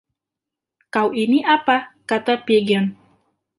"Kau ini apa?" kata Pigeon.